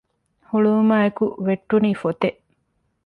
ހުޅުވުމާއިއެކު ވެއްޓުނީ ފޮތެއް